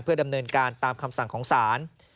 ดำเนินการตามคำสั่งของศาล